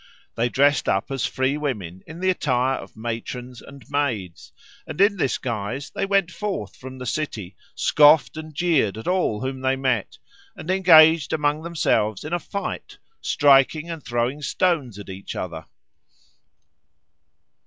They dressed up as free women in the attire of matrons and maids, and in this guise they went forth from the city, scoffed and jeered at all whom they met, and engaged among themselves in a fight, striking and throwing stones at each other.